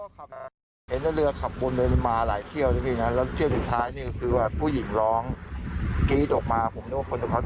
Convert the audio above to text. เสียงร้องที่เราได้ยินผมกรี๊ดเลยร้องแบบยังไงล่ะ